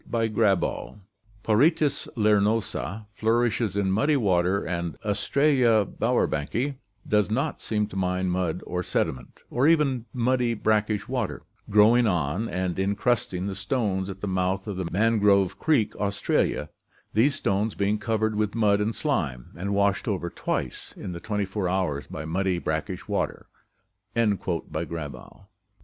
"Porites lirnosa flourishes in muddy water and Astrcea bowerbanki does nbt seem to mind mud or sediment, or even muddy brackish water, growing on, and incrusting the stones at the mouth of the Mangrove Creek, Australia, these stones being covered with mud and slime, and washed over twice in the twenty four hours by muddy, brackish water" (Grabau).